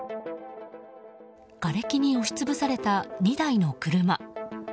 がれきに押しつぶされた２台の車。